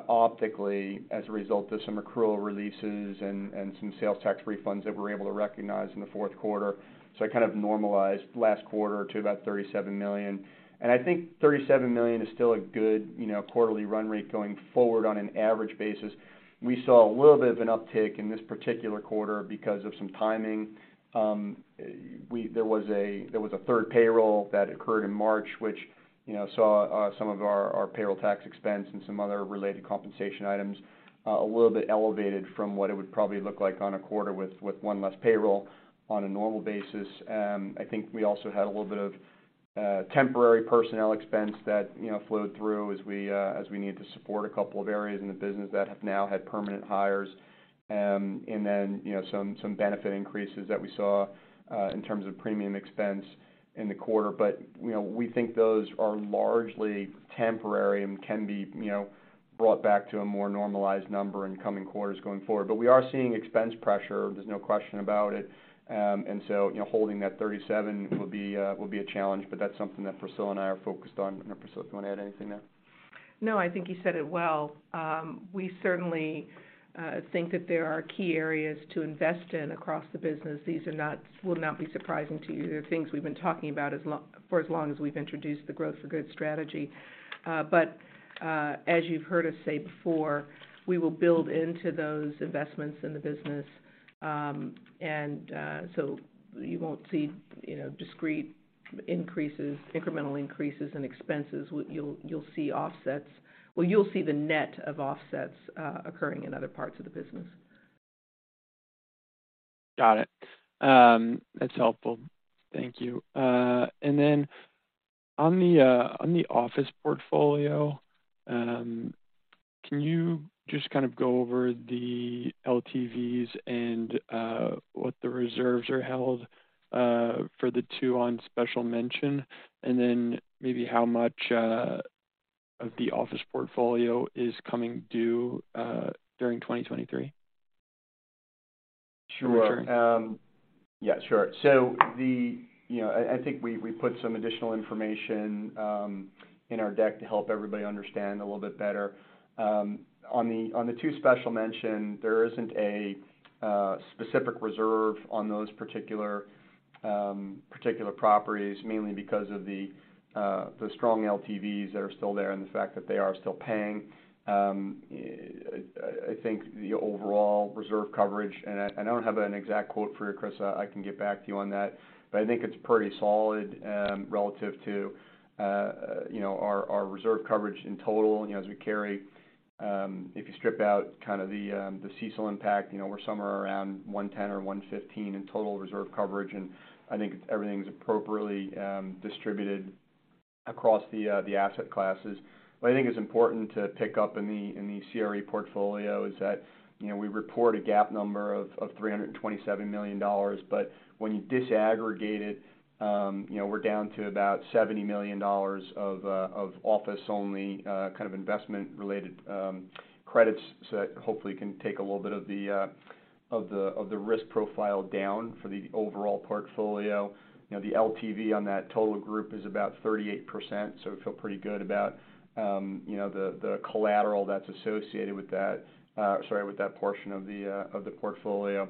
optically as a result of some accrual releases and some sales tax refunds that we're able to recognize in the fourth quarter. I kind of normalized last quarter to about $37 million. I think $37 million is still a good, you know, quarterly run rate going forward on an average basis. We saw a little bit of an uptick in this particular quarter because of some timing. There was a third payroll that occurred in March, which, you know, saw some of our payroll tax expense and some other related compensation items, a little bit elevated from what it would probably look like on a quarter with one less payroll on a normal basis. I think we also had a little bit of temporary personnel expense that, you know, flowed through as we needed to support a couple of areas in the business that have now had permanent hires. Then, you know, some benefit increases that we saw in terms of premium expense in the quarter. You know, we think those are largely temporary and can be, you know, brought back to a more normalized number in coming quarters going forward. We are seeing expense pressure, there's no question about it. you know, holding that 37 will be a challenge, but that's something that Priscilla and I are focused on. Priscilla, do you wanna add anything there? No, I think you said it well. We certainly think that there are key areas to invest in across the business. These will not be surprising to you. They're things we've been talking about for as long as we've introduced the Growth for Good strategy. As you've heard us say before, we will build into those investments in the business, you won't see, you know, discrete increases, incremental increases in expenses. What you'll see offsets. You'll see the net of offsets occurring in other parts of the business. Got it. That's helpful. Thank you. On the on the office portfolio, can you just kind of go over the LTVs and what the reserves are held for the two on special mention, and then maybe how much of the office portfolio is coming due during 2023? Sure. Yeah, sure. You know. I think we put some additional information in our deck to help everybody understand a little bit better. On the two special mention, there isn't a specific reserve on those particular properties, mainly because of the strong LTVs that are still there and the fact that they are still paying. I think the overall reserve coverage, and I don't have an exact quote for you, Chris, I can get back to you on that, but I think it's pretty solid, relative to, you know, our reserve coverage in total. You know, as we carry, if you strip out kind of the CECL impact, you know, we're somewhere around 110 or 115 in total reserve coverage, and I think everything's appropriately distributed across the asset classes. I think it's important to pick up in the CRE portfolio is that, you know, we report a GAAP number of $327 million, but when you disaggregate it, you know, we're down to about $70 million of office-only kind of investment-related credits that hopefully can take a little bit of the risk profile down for the overall portfolio. You know, the LTV on that total group is about 38%. We feel pretty good about, you know, the collateral that's associated with that, sorry, with that portion of the portfolio.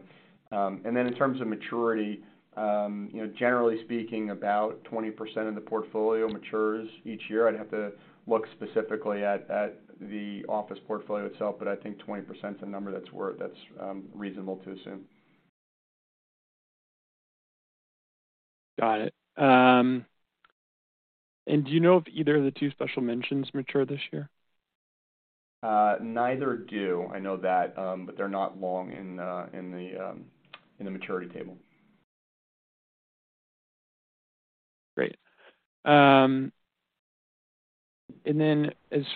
In terms of maturity, you know, generally speaking, about 20% of the portfolio matures each year. I'd have to look specifically at the office portfolio itself, but I think 20% is a number that's worth, that's reasonable to assume. Got it. Do you know if either of the two special mentions mature this year? Neither do. I know that, but they're not long in the, in the, in the maturity table. Great. As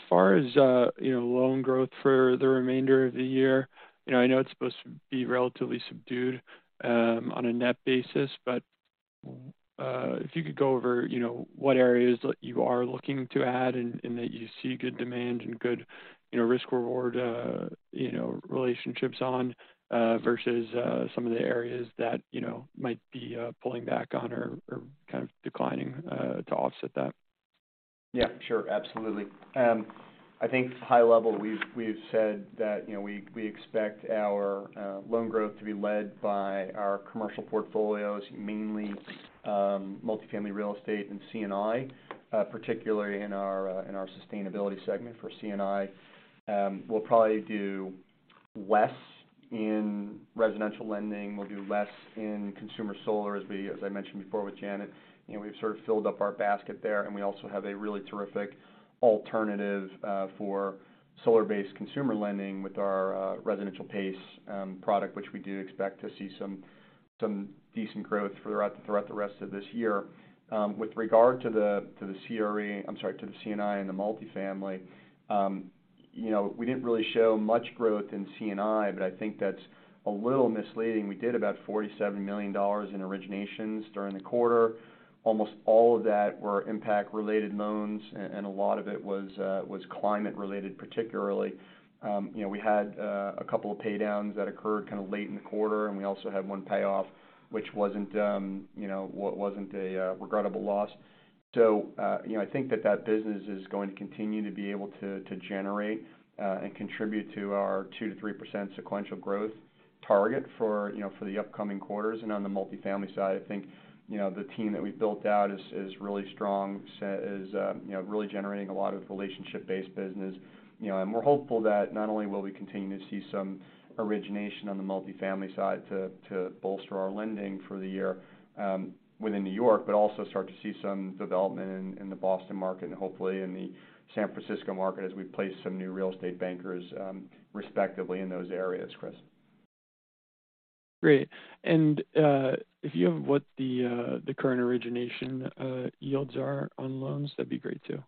far as, you know, loan growth for the remainder of the year, you know, I know it's supposed to be relatively subdued, on a net basis, but, if you could go over, you know, what areas that you are looking to add and that you see good demand and good, you know, risk/reward, you know, relationships on, versus, some of the areas that, you know, might be pulling back on or kind of declining, to offset that? Yeah, sure. Absolutely. I think high level, we've said that, you know, we expect our loan growth to be led by our commercial portfolios, mainly multifamily real estate and C&I, particularly in our sustainability segment for C&I. We'll probably do less in residential lending. We'll do less in consumer solar, as I mentioned before with Janet. You know, we've sort of filled up our basket there, and we also have a really terrific alternative for solar-based consumer lending with our residential PACE product, which we do expect to see some decent growth throughout the rest of this year. With regard to the CRE, I'm sorry, to the C&I and the multifamily, you know, we didn't really show much growth in C&I, but I think that's a little misleading. We did about $47 million in originations during the quarter. Almost all of that were impact-related loans and a lot of it was climate-related particularly. You know, we had a couple of paydowns that occurred kinda late in the quarter, and we also had one payoff, which wasn't, you know, wasn't a regrettable loss. You know, I think that that business is going to continue to be able to generate, and contribute to our 2%-3% sequential growth target for, you know, for the upcoming quarters. On the multifamily side, I think, you know, the team that we built out is really strong, is, you know, really generating a lot of relationship-based business, you know. We're hopeful that not only will we continue to see some origination on the multifamily side to bolster our lending for the year, within New York, but also start to see some development in the Boston market and hopefully in the San Francisco market as we place some new real estate bankers, respectively in those areas, Chris. Great. If you have what the current origination yields are on loans, that'd be great too.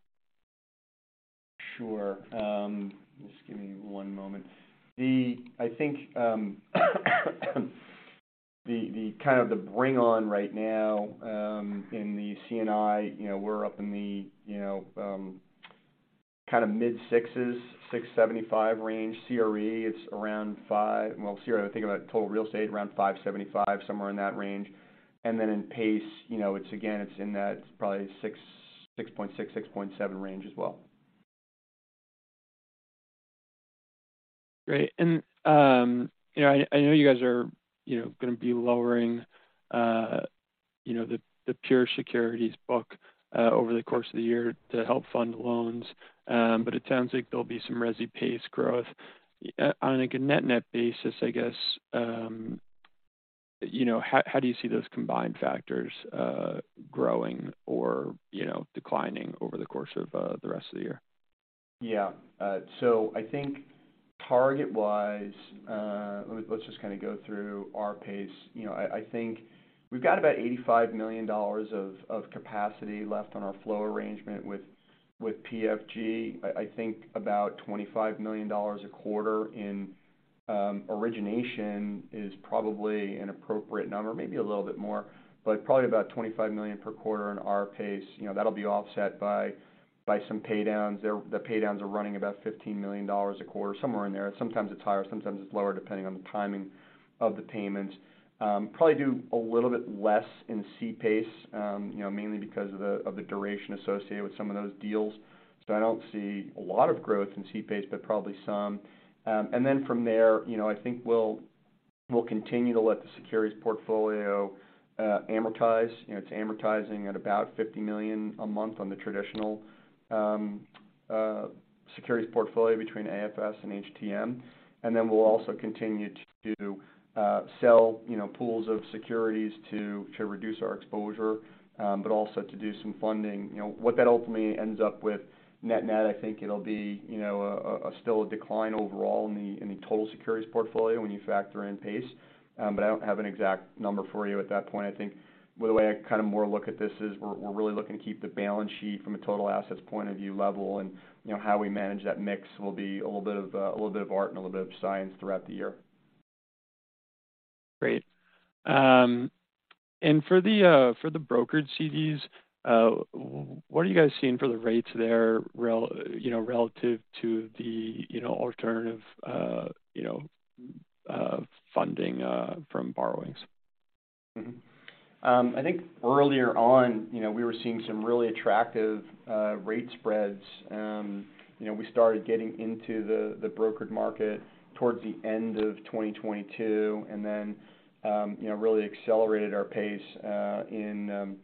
Sure. Just give me one moment. I think, the kind of the bring on right now, in the C&I, you know, we're up in the, you know, kind of mid-6s%, 6.75% range. CRE, it's around. Well, CRE, I think about total real estate around 5.75%, somewhere in that range. Then in PACE, you know, it's again, it's in that probably 6%, 6.6%, 6.7% range as well. Great. You know, I know you guys are, you know, gonna be lowering, you know, the pure securities book over the course of the year to help fund loans. It sounds like there'll be some resi PACE growth. Like a net-net basis, I guess, you know, how do you see those combined factors growing or, you know, declining over the course of the rest of the year? Let's just kinda go through our PACE. You know, I think we've got about $85 million of capacity left on our flow arrangement with PFG. I think about $25 million a quarter in origination is probably an appropriate number, maybe a little bit more. Probably about $25 million per quarter in our PACE. You know, that'll be offset by some paydowns. The paydowns are running about $15 million a quarter, somewhere in there. Sometimes it's higher, sometimes it's lower, depending on the timing of the payments. Probably do a little bit less in C PACE, you know, mainly because of the duration associated with some of those deals. I don't see a lot of growth in C PACE, but probably some. From there, you know, I think we'll continue to let the securities portfolio amortize. You know, it's amortizing at about $50 million a month on the traditional securities portfolio between AFS and HTM. We'll also continue to sell, you know, pools of securities to reduce our exposure, but also to do some funding. You know, what that ultimately ends up with net-net, I think it'll be, you know, a still a decline overall in the total securities portfolio when you factor in PACE. I don't have an exact number for you at that point. I think the way I kinda more look at this is we're really looking to keep the balance sheet from a total assets point of view level. You know, how we manage that mix will be a little bit of, a little bit of art and a little bit of science throughout the year. Great. For the brokered CDs, what are you guys seeing for the rates there, you know, relative to the, you know, alternative, you know, funding from borrowings? I think earlier on, you know, we were seeing some really attractive rate spreads. You know, we started getting into the brokered market towards the end of 2022, and then, you know, really accelerated our pace in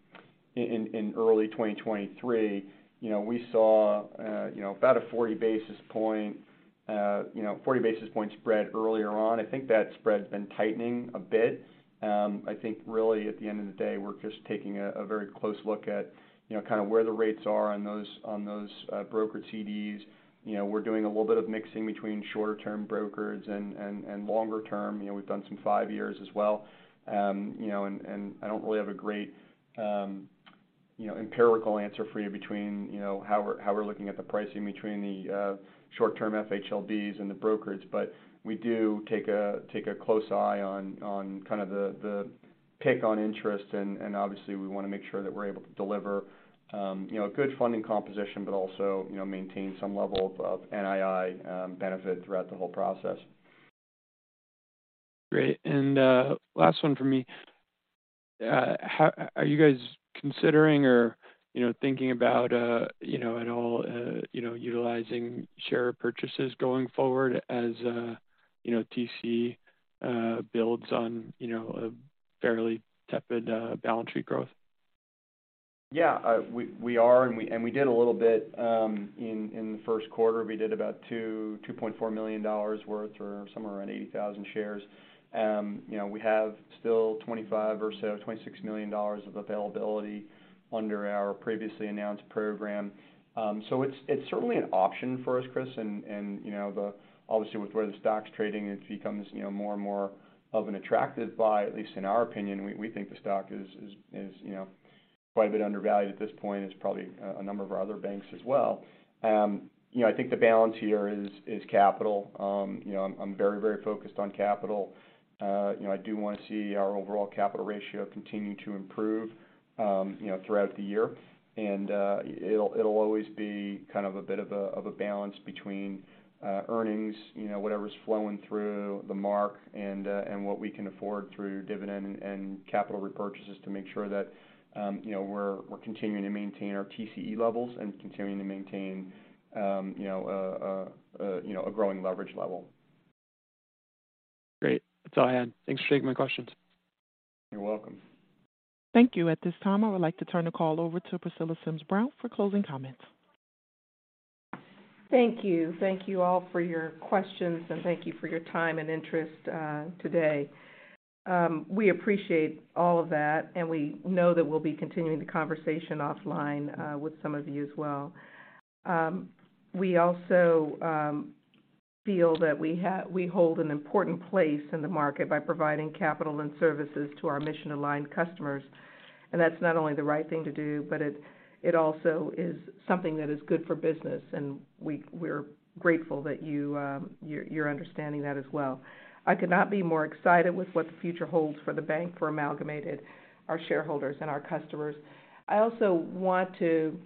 early 2023. You know, we saw, you know, about a 40 basis point spread earlier on. I think that spread's been tightening a bit. I think really at the end of the day, we're just taking a very close look at, you know, kinda where the rates are on those Brokered CDs. You know, we're doing a little bit of mixing between shorter term brokerages and longer-term. You know, we've done some five years as well. You know, and I don't really have a great, you know, empirical answer for you between, you know, how we're, how we're looking at the pricing between short-term FHLBs and the brokerage. We do take a close eye on kind of the pick on interest and obviously we wanna make sure that we're able to deliver, you know, a good funding composition, but also, you know, maintain some level of NII benefit throughout the whole process. Great. last one from me. Are you guys considering or, you know, thinking about, you know, at all, you know, utilizing share purchases going forward as, you know, TCE, builds on, you know, a fairly tepid, balance sheet growth? Yeah. We are, and we did a little bit in the first quarter. We did about $2.4 million worth or somewhere around 80,000 shares. You know, we have still $25 million or so, $26 million of availability under our previously announced program. It's certainly an option for us, Chris, and you know, Obviously, with where the stock's trading, it becomes, you know, more and more of an attractive buy, at least in our opinion. We think the stock is, you know, quite a bit undervalued at this point. It's probably a number of our other banks as well. You know, I think the balance here is capital. You know, I'm very, very focused on capital. You know, I do wanna see our overall capital ratio continue to improve, you know, throughout the year. It'll always be kind of a bit of a balance between earnings, you know, whatever's flowing through the mark and what we can afford through dividend and capital repurchases to make sure that, you know, we're continuing to maintain our TCE levels and continuing to maintain, you know, a growing leverage level. Great. That's all I had. Thanks for taking my questions. You're welcome. Thank you. At this time, I would like to turn the call over to Priscilla Sims Brown for closing comments. Thank you. Thank you all for your questions, and thank you for your time and interest today. We appreciate all of that, and we know that we'll be continuing the conversation offline with some of you as well. We also feel that we hold an important place in the market by providing capital and services to our mission-aligned customers. That's not only the right thing to do, but it also is something that is good for business, and we're grateful that you're understanding that as well. I could not be more excited with what the future holds for the bank, for Amalgamated, our shareholders, and our customers. I also want to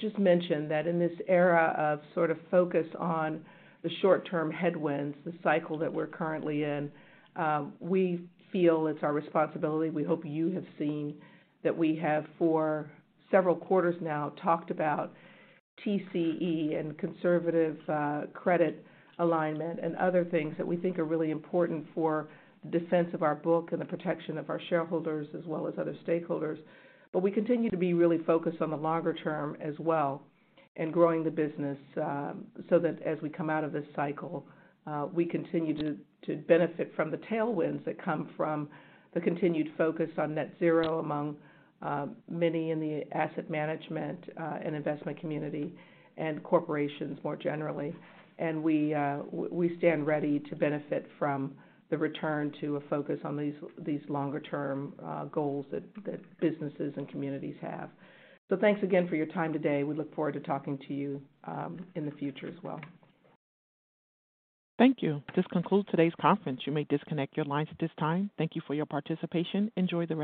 just mention that in this era of sort of focus on the short-term headwinds, the cycle that we're currently in, we feel it's our responsibility, we hope you have seen that we have, for several quarters now, talked about TCE and conservative credit alignment and other things that we think are really important for the defense of our book and the protection of our shareholders as well as other stakeholders. We continue to be really focused on the longer term as well and growing the business, so that as we come out of this cycle, we continue to benefit from the tailwinds that come from the continued focus on net zero among many in the asset management and investment community and corporations more generally. We stand ready to benefit from the return to a focus on these longer-term goals that businesses and communities have. Thanks again for your time today. We look forward to talking to you in the future as well. Thank you. This concludes today's conference. You may disconnect your lines at this time. Thank you for your participation. Enjoy the rest